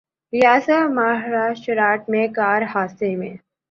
ریاست مہاراشٹرا میں کار حادثے میں